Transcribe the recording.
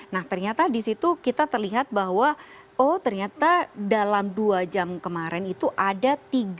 nah ternyata di situ kita terlihat bahwa oh ternyata dalam dua jam kemarin itu ada tiga